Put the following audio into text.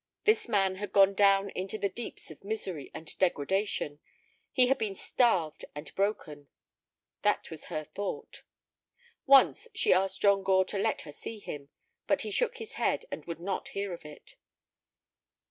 This man had gone down into the deeps of misery and degradation. He had been starved and broken. That was her thought. Once she asked John Gore to let her see him, but he shook his head and would not hear of it.